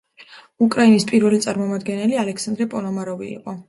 უკრაინის პირველი წარმომადგენლები ალექსანდრე პონომარიოვი იყო.